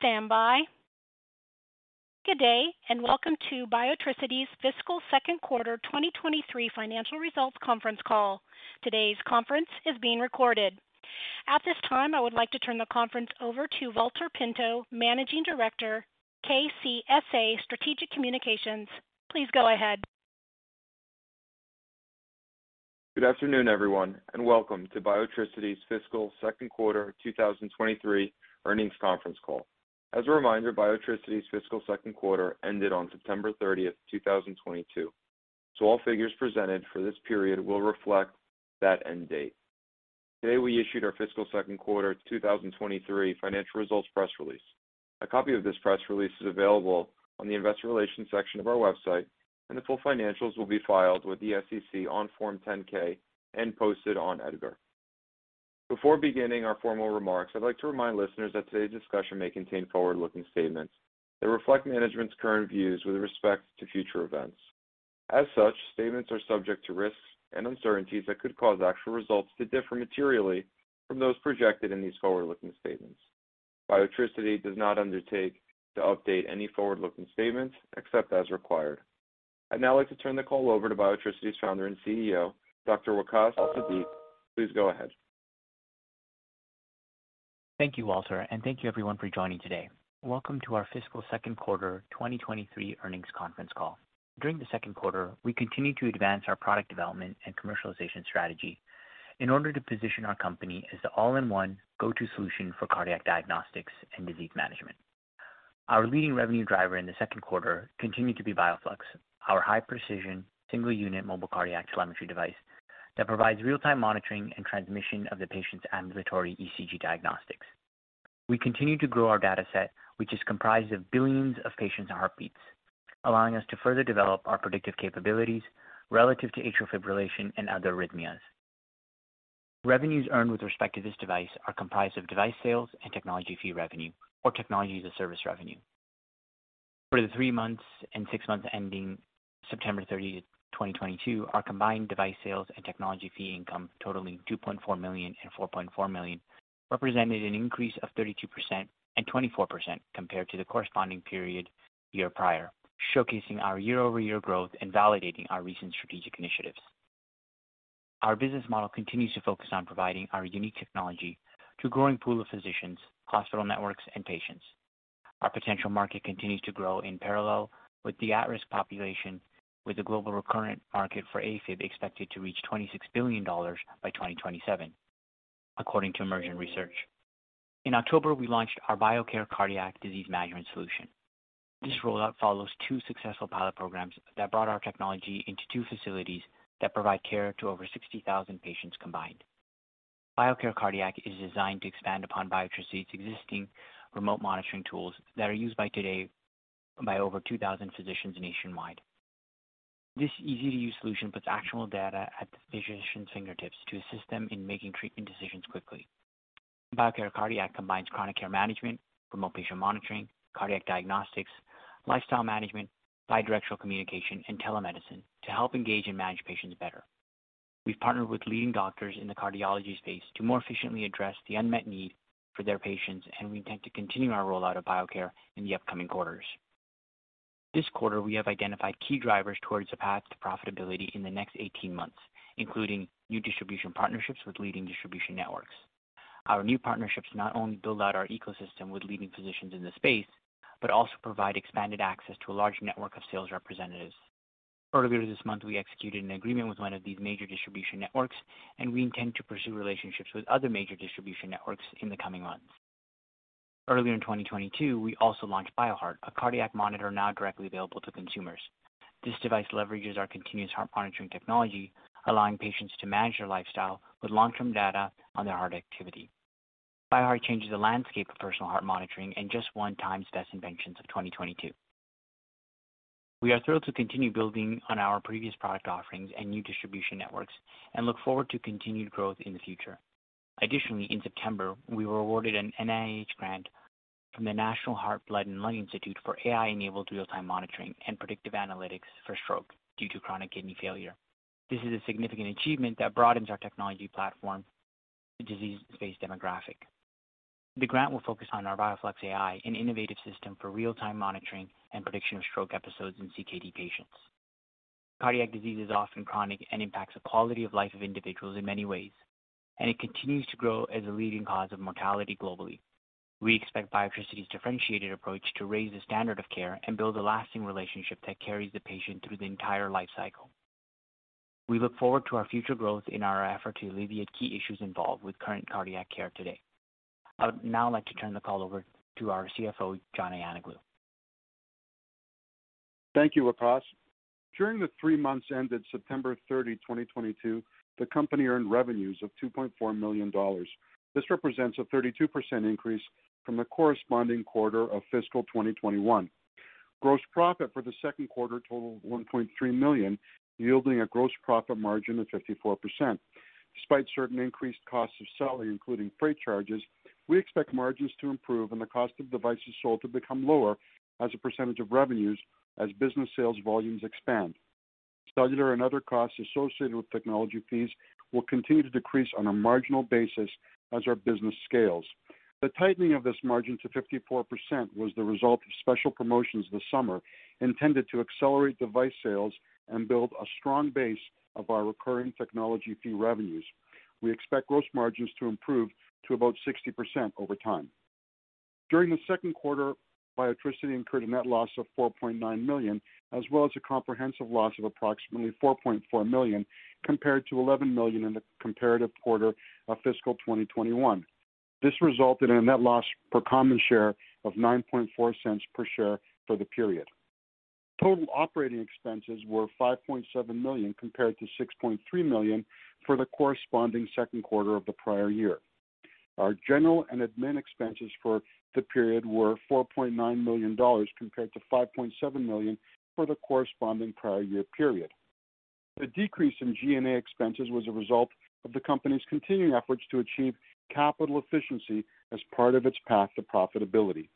Please stand by. Good day, and welcome to Biotricity's fiscal second quarter 2023 financial results conference call. Today's conference is being recorded. At this time, I would like to turn the conference over to Valter Pinto, Managing Director, KCSA Strategic Communications. Please go ahead. Good afternoon, everyone, and welcome to Biotricity's fiscal second quarter 2023 earnings conference call. As a reminder, Biotricity's fiscal second quarter ended on September 30th, 2022. All figures presented for this period will reflect that end date. Today, we issued our fiscal second quarter 2023 financial results press release. A copy of this press release is available on the investor relations section of our website, and the full financials will be filed with the SEC on Form 10-K and posted on EDGAR. Before beginning our formal remarks, I'd like to remind listeners that today's discussion may contain forward-looking statements that reflect management's current views with respect to future events. As such, statements are subject to risks and uncertainties that could cause actual results to differ materially from those projected in these forward-looking statements. Biotricity does not undertake to update any forward-looking statements except as required. I'd now like to turn the call over to Biotricity's founder and CEO, Dr. Waqaas Al-Siddiq. Please go ahead. Thank you, Valter, and thank you everyone for joining today. Welcome to our fiscal second quarter 2023 earnings conference call. During the second quarter, we continued to advance our product development and commercialization strategy in order to position our company as the all-in-one go-to solution for cardiac diagnostics and disease management. Our leading revenue driver in the second quarter continued to be Bioflux, our high precision single unit mobile cardiac telemetry device that provides real-time monitoring and transmission of the patient's ambulatory ECG diagnostics. We continue to grow our data set, which is comprised of billions of patients' heartbeats, allowing us to further develop our predictive capabilities relative to atrial fibrillation and other arrhythmias. Revenues earned with respect to this device are comprised of device sales and technology fee revenue or technology as a service revenue. For the 3 months and 6 months ending September 30th, 2022, our combined device sales and technology fee income totaling $2.4 million and $4.4 million represented an increase of 32% and 24% compared to the corresponding period a year prior, showcasing our year-over-year growth and validating our recent strategic initiatives. Our business model continues to focus on providing our unique technology to a growing pool of physicians, hospital networks, and patients. Our potential market continues to grow in parallel with the at-risk population, with the global recurrent market for AFib expected to reach $26 billion by 2027, according to Emergen Research. In October, we launched our Biocare Cardiac Disease Management Solution. This rollout follows two successful pilot programs that brought our technology into two facilities that provide care to over 60,000 patients combined. Biocare Cardiac is designed to expand upon Biotricity's existing remote monitoring tools that are used by today by over 2,000 physicians nationwide. This easy-to-use solution puts actual data at the physician's fingertips to assist them in making treatment decisions quickly. Biocare Cardiac combines chronic care management, remote patient monitoring, cardiac diagnostics, lifestyle management, bidirectional communication, and telemedicine to help engage and manage patients better. We've partnered with leading doctors in the cardiology space to more efficiently address the unmet need for their patients, and we intend to continue our rollout of Biocare in the upcoming quarters. This quarter, we have identified key drivers towards the path to profitability in the next 18 months, including new distribution partnerships with leading distribution networks. Our new partnerships not only build out our ecosystem with leading physicians in the space, but also provide expanded access to a large network of sales representatives. Earlier this month, we executed an agreement with one of these major distribution networks, and we intend to pursue relationships with other major distribution networks in the coming months. Earlier in 2022, we also launched Bioheart, a cardiac monitor now directly available to consumers. This device leverages our continuous heart monitoring technology, allowing patients to manage their lifestyle with long-term data on their heart activity. Bioheart changes the landscape of personal heart monitoring in just one TIME's Best Inventions of 2022. We are thrilled to continue building on our previous product offerings and new distribution networks and look forward to continued growth in the future. Additionally, in September, we were awarded an NIH grant from the National Heart, Lung, and Blood Institute for AI-enabled real-time monitoring and predictive analytics for stroke due to chronic kidney failure. This is a significant achievement that broadens our technology platform to disease-based demographic. The grant will focus on our Bioflux-AI, an innovative system for real-time monitoring and prediction of stroke episodes in CKD patients. Cardiac disease is often chronic and impacts the quality of life of individuals in many ways, and it continues to grow as a leading cause of mortality globally. We expect Biotricity's differentiated approach to raise the standard of care and build a lasting relationship that carries the patient through the entire life cycle. We look forward to our future growth in our effort to alleviate key issues involved with current cardiac care today. I would now like to turn the call over to our CFO, John Ayanoglou. Thank you, Waqaas. During the three months ended September 30th, 2022, the company earned revenues of $2.4 million. This represents a 32% increase from the corresponding quarter of fiscal 2021. Gross profit for the second quarter totaled $1.3 million, yielding a gross profit margin of 54%. Despite certain increased costs of selling, including freight charges, we expect margins to improve and the cost of devices sold to become lower as a percentage of revenues as business sales volumes expand. Cellular and other costs associated with technology fees will continue to decrease on a marginal basis as our business scales. The tightening of this margin to 54% was the result of special promotions this summer intended to accelerate device sales and build a strong base of our recurring technology fee revenues. We expect gross margins to improve to about 60% over time. During the second quarter, Biotricity incurred a net loss of $4.9 million, as well as a comprehensive loss of approximately $4.4 million, compared to $11 million in the comparative quarter of fiscal 2021. This resulted in a net loss per common share of $0.094 per share for the period. Total operating expenses were $5.7 million, compared to $6.3 million for the corresponding second quarter of the prior year. Our general and admin expenses for the period were $4.9 million, compared to $5.7 million for the corresponding prior year period. The decrease in G&A expenses was a result of the company's continuing efforts to achieve capital efficiency as part of its path to profitability.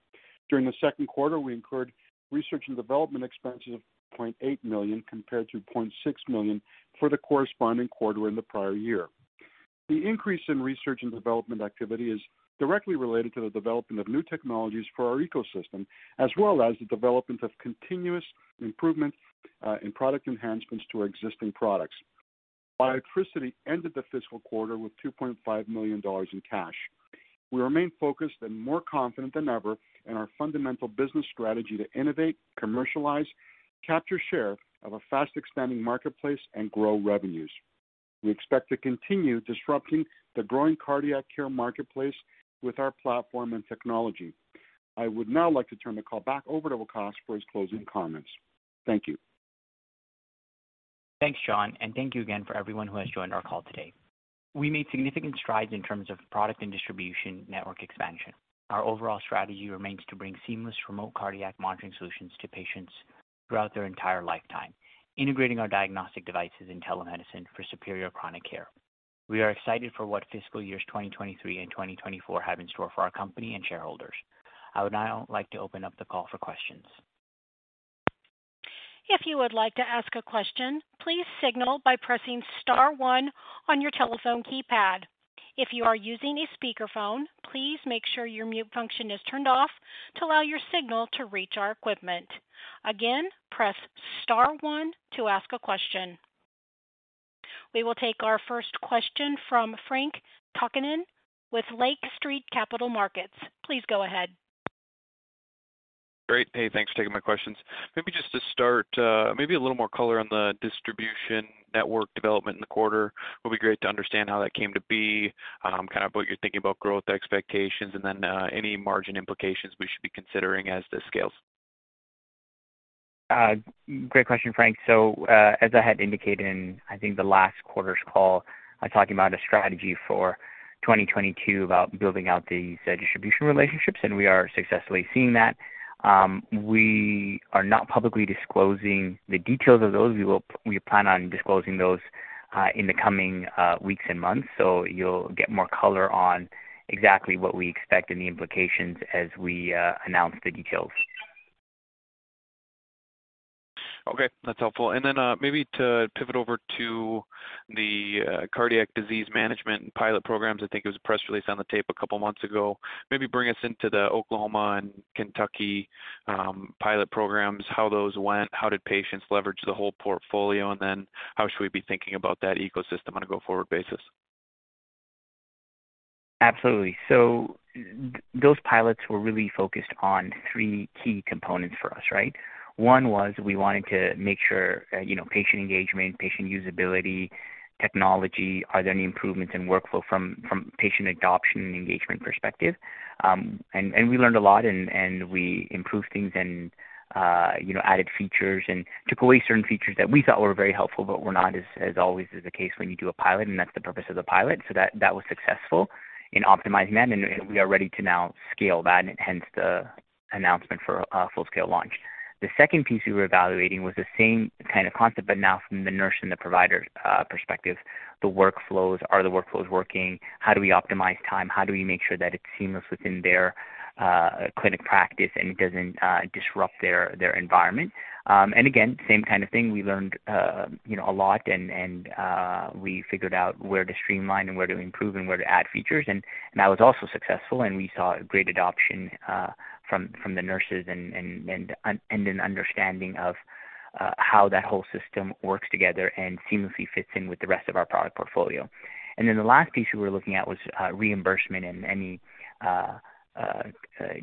During the second quarter, we incurred research and development expenses of $0.8 million, compared to $0.6 million for the corresponding quarter in the prior year. The increase in research and development activity is directly related to the development of new technologies for our ecosystem, as well as the development of continuous improvement in product enhancements to our existing products. Biotricity ended the fiscal quarter with $2.5 million in cash. We remain focused and more confident than ever in our fundamental business strategy to innovate, commercialize, capture share of a fast-expanding marketplace, and grow revenues. We expect to continue disrupting the growing cardiac care marketplace with our platform and technology. I would now like to turn the call back over to Waqaas for his closing comments. Thank you. Thanks, John, and thank you again for everyone who has joined our call today. We made significant strides in terms of product and distribution network expansion. Our overall strategy remains to bring seamless remote cardiac monitoring solutions to patients throughout their entire lifetime, integrating our diagnostic devices in telemedicine for superior chronic care. We are excited for what fiscal years 2023 and 2024 have in store for our company and shareholders. I would now like to open up the call for questions. If you would like to ask a question, please signal by pressing star one on your telephone keypad. If you are using a speakerphone, please make sure your mute function is turned off to allow your signal to reach our equipment. Again, press star one to ask a question. We will take our first question from Frank Takkinen with Lake Street Capital Markets. Please go ahead. Great. Hey, thanks for taking my questions. Maybe just to start, maybe a little more color on the distribution network development in the quarter. It would be great to understand how that came to be, kind of what you're thinking about growth expectations and then, any margin implications we should be considering as this scales. Great question, Frank. As I had indicated in I think the last quarter's call, I talked about a strategy for 2022 about building out these distribution relationships, and we are successfully seeing that. We are not publicly disclosing the details of those. We plan on disclosing those, in the coming, weeks and months, so you'll get more color on exactly what we expect and the implications as we, announce the details. Okay, that's helpful. Maybe to pivot over to the cardiac disease management and pilot programs. I think it was a press release on the tape a couple months ago. Maybe bring us into the Oklahoma and Kentucky pilot programs, how those went, how did patients leverage the whole portfolio, and then how should we be thinking about that ecosystem on a go-forward basis? Absolutely. Those pilots were really focused on three key components for us, right? One was we wanted to make sure, you know, patient engagement, patient usability, technology, are there any improvements in workflow from patient adoption and engagement perspective. And we learned a lot and we improved things and, you know, added features and took away certain features that we thought were very helpful but were not, as always is the case when you do a pilot, and that's the purpose of the pilot. That was successful in optimizing that, and we are ready to now scale that, and hence the announcement for a full-scale launch. The second piece we were evaluating was the same kind of concept, but now from the nurse and the provider's perspective. The workflows. Are the workflows working? How do we optimize time? How do we make sure that it's seamless within their clinic practice and it doesn't disrupt their environment? Again, same kind of thing. We learned, you know, a lot and we figured out where to streamline and where to improve and where to add features. That was also successful, and we saw great adoption from the nurses and an understanding of how that whole system works together and seamlessly fits in with the rest of our product portfolio. Then the last piece we were looking at was reimbursement and any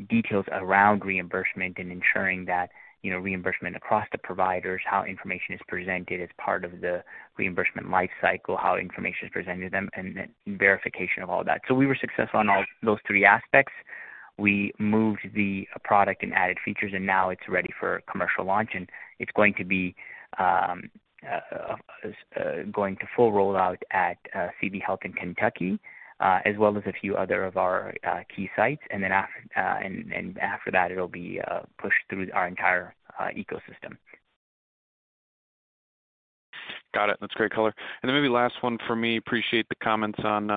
details around reimbursement and ensuring that, you know, reimbursement across the providers, how information is presented as part of the reimbursement life cycle, how information is presented to them, and then verification of all that. We were successful on all those three aspects. We moved the product and added features, and now it's ready for commercial launch, and it's going to be going to full rollout at CB Health in Kentucky, as well as a few other of our key sites. After that, it'll be pushed through our entire ecosystem. Got it. That's great color. Maybe last one for me. Appreciate the comments on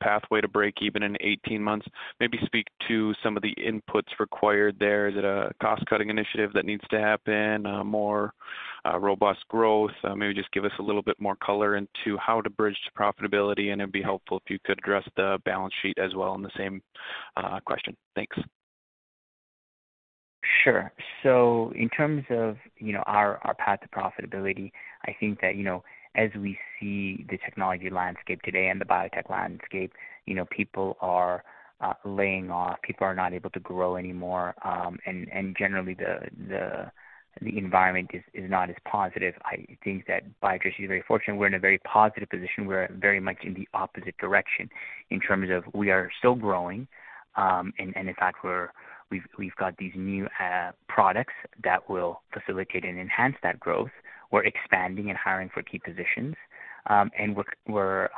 pathway to breakeven in 18 months. Maybe speak to some of the inputs required there. Is it a cost-cutting initiative that needs to happen, more robust growth? Maybe just give us a little bit more color into how to bridge to profitability, and it'd be helpful if you could address the balance sheet as well in the same question. Thanks. Sure. In terms of, you know, our path to profitability, I think that, you know, as we see the technology landscape today and the biotech landscape, you know, people are laying off. People are not able to grow anymore. And generally, the environment is not as positive. I think that Biocore is very fortunate. We're in a very positive position. We're very much in the opposite direction in terms of we are still growing. And in fact we've got these new products that will facilitate and enhance that growth. We're expanding and hiring for key positions. And we're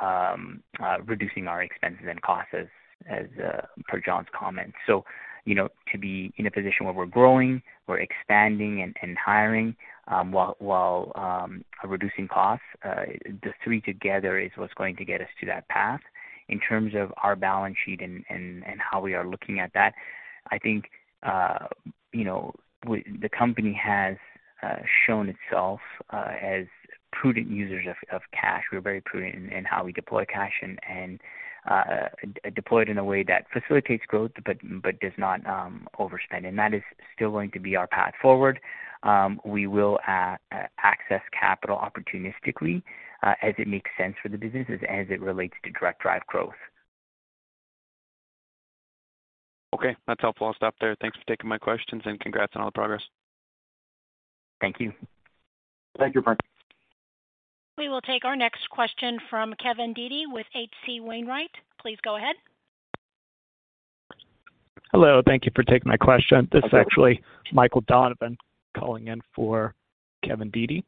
reducing our expenses and costs as per John's comments. You know, to be in a position where we're growing, we're expanding and hiring, while reducing costs, the three together is what's going to get us to that path. In terms of our balance sheet and how we are looking at that, I think you know, the company has shown itself as prudent users of cash. We're very prudent in how we deploy cash and deploy it in a way that facilitates growth but does not overspend. That is still going to be our path forward. We will access capital opportunistically, as it makes sense for the business as it relates to direct drive growth. Okay. That's helpful. I'll stop there. Thanks for taking my questions, and congrats on all the progress. Thank you. Thank you, Frank. We will take our next question from Kevin Dede with H.C. Wainwright. Please go ahead. Hello. Thank you for taking my question. This is actually Michael Donovan calling in for Kevin Dede.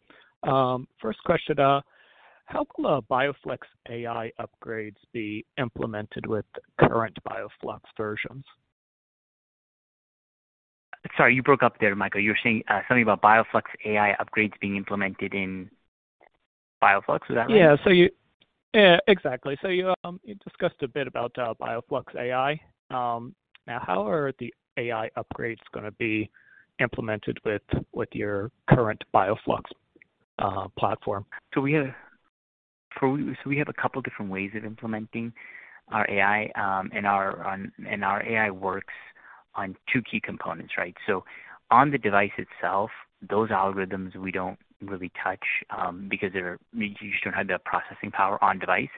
First question, how will Bioflux-AI upgrades be implemented with current Bioflux versions? Sorry, you broke up there, Michael. You were saying something about Bioflux-AI upgrades being implemented in Bioflux. Is that right? Yeah. Exactly. You discussed a bit about Bioflux-AI. Now how are the AI upgrades gonna be implemented with your current Bioflux platform? We have a couple different ways of implementing our AI, and our AI works on two key components, right? On the device itself, those algorithms we don't really touch, because you just don't have the processing power on device.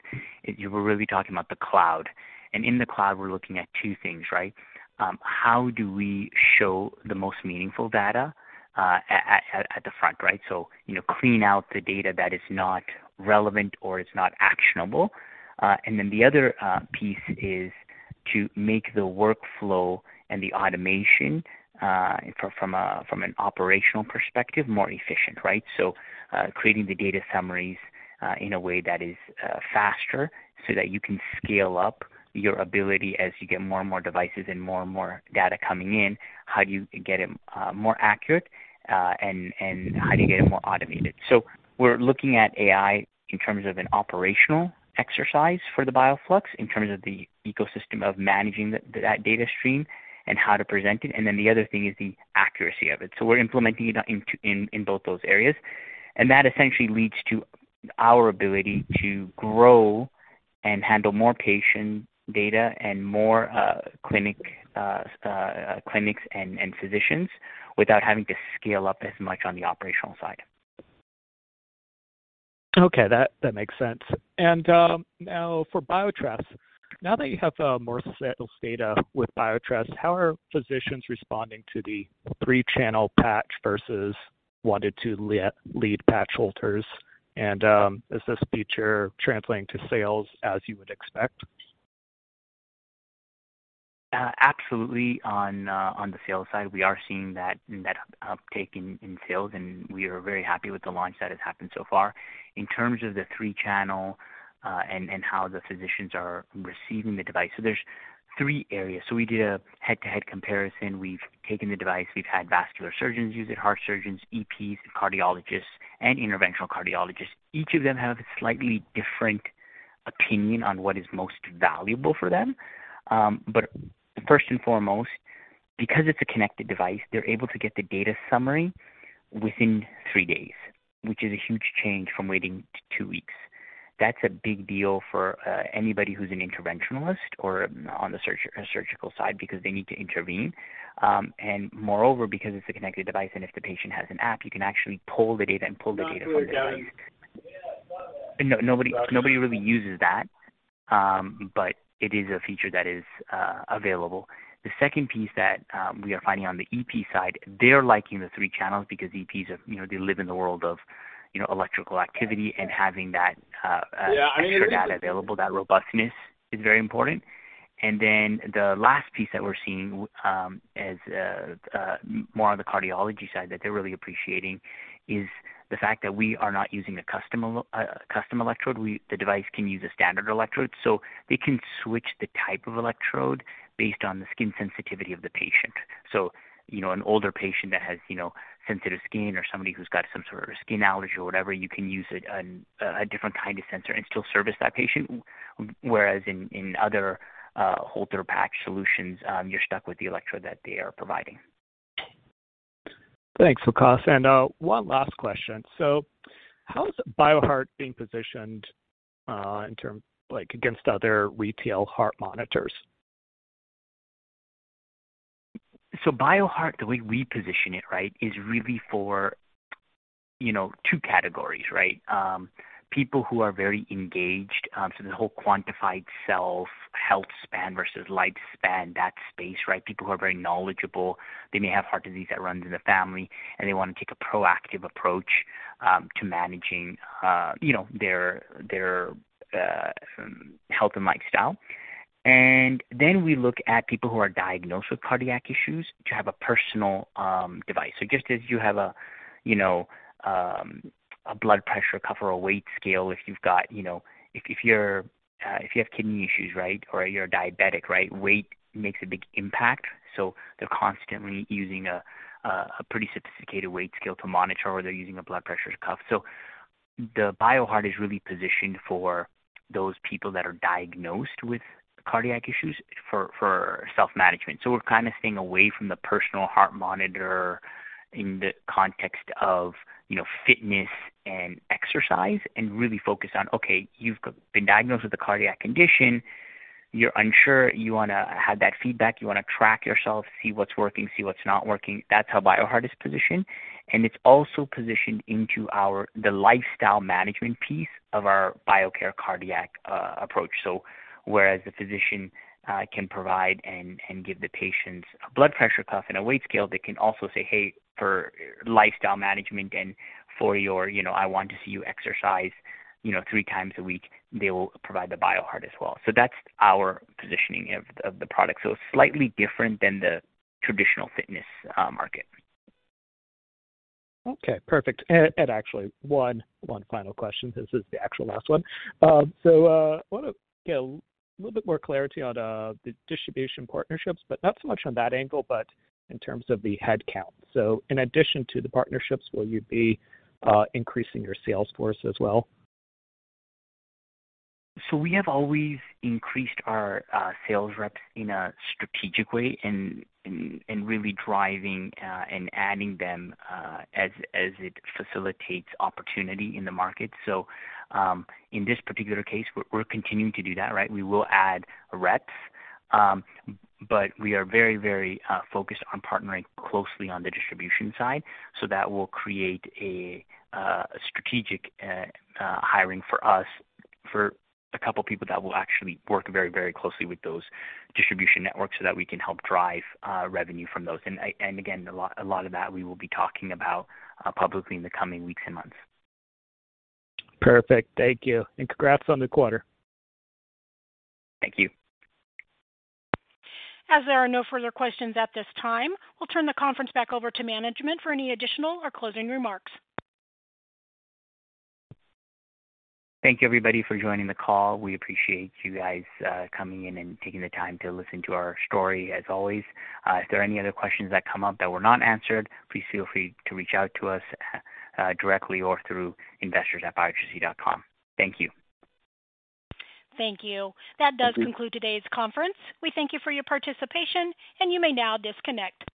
We're really talking about the cloud. In the cloud, we're looking at two things, right? How do we show the most meaningful data at the front, right? You know, clean out the data that is not relevant or is not actionable. And then the other piece is to make the workflow and the automation from an operational perspective more efficient, right? Creating the data summaries in a way that is faster so that you can scale up your ability as you get more and more devices and more and more data coming in. How do you get it more accurate, and how do you get it more automated? We're looking at AI in terms of an operational exercise for the Bioflux, in terms of the ecosystem of managing that data stream and how to present it and then the other thing is the accuracy of it. We're implementing it in both those areas. That essentially leads to our ability to grow and handle more patient data and more clinics and physicians without having to scale up as much on the operational side. That makes sense. Now for Biocore. Now that you have a more settled data with Biocore, how are physicians responding to the three-channel patch versus one- to two-lead patches? Is this feature translating to sales as you would expect? Absolutely. On the sales side, we are seeing that uptake in sales, and we are very happy with the launch that has happened so far. In terms of the three channels and how the physicians are receiving the device. There's three areas. We did a head-to-head comparison. We've taken the device. We've had vascular surgeons use it, heart surgeons, EPs, cardiologists and interventional cardiologists. Each of them have a slightly different opinion on what is most valuable for them. First and foremost, because it's a connected device, they're able to get the data summary within three days, which is a huge change from waiting two weeks. That's a big deal for anybody who's an interventionalist or on the surgical side because they need to intervene. Moreover, because it's a connected device and if the patient has an app, you can actually pull the data from the device. Nobody really uses that, but it is a feature that is available. The second piece that we are finding on the EP side, they're liking the three channels because EPs are you know, they live in the world of you know, electrical activity and having that extra data available, that robustness is very important. The last piece that we're seeing more on the cardiology side that they're really appreciating is the fact that we are not using a custom electrode. The device can use a standard electrode, so they can switch the type of electrode based on the skin sensitivity of the patient. You know, an older patient that has, you know, sensitive skin or somebody who's got some sort of skin allergy or whatever, you can use a different kind of sensor and still service that patient. Whereas in other Holter patch solutions, you're stuck with the electrode that they are providing. Thanks, Waqaas. One last question. How is Bioheart being positioned in terms of, like, against other retail heart monitors? Bioheart, the way we position it, right, is really for, you know, two categories, right? People who are very engaged, so this whole quantified self-health span versus lifespan, that space, right? People who are very knowledgeable. They may have heart disease that runs in the family, and they want to take a proactive approach to managing, you know, their health and lifestyle. Then we look at people who are diagnosed with cardiac issues to have a personal device. Just as you have a, you know, a blood pressure cuff or a weight scale, if you've got, you know, if you have kidney issues, right, or you're a diabetic, right, weight makes a big impact. They're constantly using a pretty sophisticated weight scale to monitor, or they're using a blood pressure cuff. The Bioheart is really positioned for those people that are diagnosed with cardiac issues for self-management. We're kind of staying away from the personal heart monitor in the context of, you know, fitness and exercise and really focus on, okay, you've been diagnosed with a cardiac condition. You're unsure. You wanna have that feedback. You want to track yourself, see what's working, see what's not working. That's how Bioheart is positioned. It's also positioned into the lifestyle management piece of our Biocare Cardiac approach. Whereas the physician can provide and give the patients a blood pressure cuff and a weight scale, they can also say, "Hey, for lifestyle management and for your, you know, I want to see you exercise, you know, three times a week," they will provide the Bioheart as well. That's our positioning of the product. Slightly different than the traditional fitness market. Okay. Perfect. Actually one final question. This is the actual last one. Want to get a little bit more clarity on the distribution partnerships, but not so much on that angle, but in terms of the headcount. In addition to the partnerships, will you be increasing your sales force as well? We have always increased our sales reps in a strategic way and really driving and adding them as it facilitates opportunity in the market. In this particular case, we're continuing to do that, right? We will add reps. We are very focused on partnering closely on the distribution side. That will create a strategic hiring for us for a couple people that will actually work very closely with those distribution networks so that we can help drive revenue from those. Again, a lot of that we will be talking about publicly in the coming weeks and months. Perfect. Thank you. Congrats on the quarter. Thank you. As there are no further questions at this time, we'll turn the conference back over to management for any additional or closing remarks. Thank you, everybody, for joining the call. We appreciate you guys coming in and taking the time to listen to our story as always. If there are any other questions that come up that were not answered, please feel free to reach out to us directly or through investors@biotricity.com. Thank you. Thank you. That does conclude today's conference. We thank you for your participation, and you may now disconnect.